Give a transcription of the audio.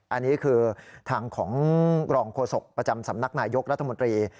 อันนี้คือทางของรองโฆษกประจำสำนักนายยกรัฐมนตรี